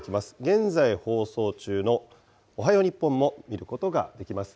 現在放送中のおはよう日本も見ることができます。